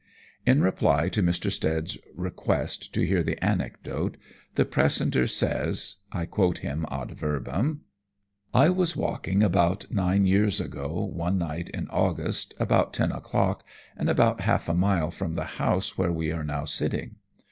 In reply to Mr. Stead's request to hear the anecdote the precentor says (I quote him ad verbum): "I was walking, about nine years ago, one night in August, about ten o'clock, and about half a mile from the house where we are now sitting.